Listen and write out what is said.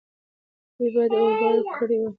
دوی باید اور بل کړی وای.